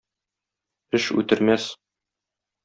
Эш үтермәс.